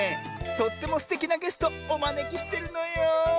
とってもすてきなゲストおまねきしてるのよ。